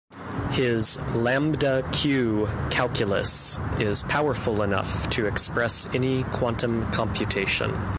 His lambda-q calculus is powerful enough to express any quantum computation.